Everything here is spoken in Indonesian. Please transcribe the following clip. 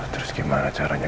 terus gimana caranya